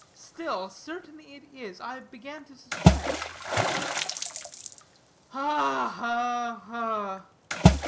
Still, certain it is, I began to suspect." "Ha, ha, ha!"